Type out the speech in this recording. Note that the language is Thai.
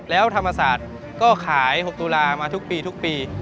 แล้วธรรมศาสตร์ก็ขายโฮคตุลามาทุกปี